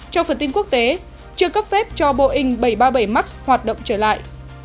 trong phần tin quốc tế chưa cấp phép cho boeing bảy trăm ba mươi bảy max hoạt động trở lại